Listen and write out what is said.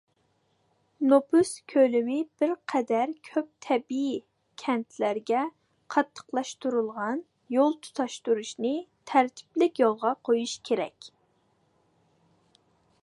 نوپۇس كۆلىمى بىر قەدەر كۆپ تەبىئىي كەنتلەرگە قاتتىقلاشتۇرۇلغان يول تۇتاشتۇرۇشنى تەرتىپلىك يولغا قويۇش كېرەك.